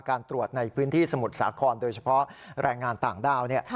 การตรวจในพื้นที่สมุทรสาครโดยเฉพาะแรงงานต่างด้าว